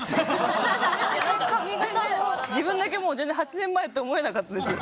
自分だけ全然８年前と思えなかったです。